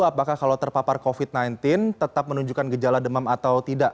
apakah kalau terpapar covid sembilan belas tetap menunjukkan gejala demam atau tidak